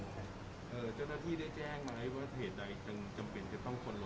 เจ้าหน้าที่ได้แจ้งไหมว่าเหตุใดจำเป็นจะต้องคนรอ